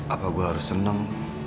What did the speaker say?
apa gue harus seneng